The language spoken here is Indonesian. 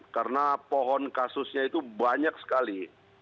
karena pohon kasusnya itu banyak sekali